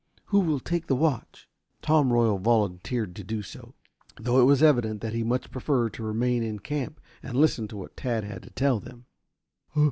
Who will take the watch?" Tom Royal volunteered to do so, though it was evident that he much preferred to remain in camp and listen to what Tad had to tell them.